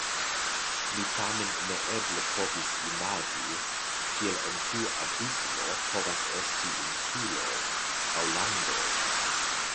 Mi tamen neeble povis imagi, kiel en tiu abismo povas esti insuloj aŭ landoj.